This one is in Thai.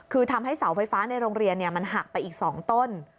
คือทำให้เสาไฟฟ้าในโรงเรียนมันหักไปอีก๒ต้น